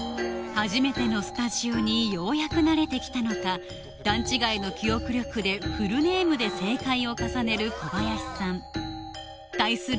初めてのスタジオにようやく慣れてきたのか段違いの記憶力でフルネームで正解を重ねる小林さん対する